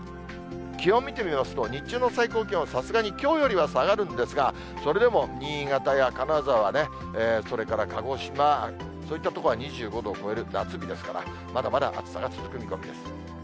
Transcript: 気温見てみますと、日中の最高気温、さすがにきょうよりは下がるんですが、それでも新潟や金沢ね、それから鹿児島、そういった所は２５度を超える夏日ですから、まだまだ暑さが続く見込みです。